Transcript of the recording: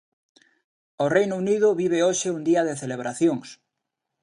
O Reino Unido vive hoxe un día de celebracións.